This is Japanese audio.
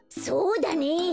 そうだね！